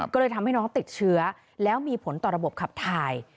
ก็เลยทำให้น้องติดเชื้อแล้วมีผลต่อระบบขับถ่าย